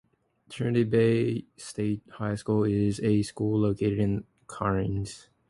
Trinity Bay State High School is a school located in Cairns.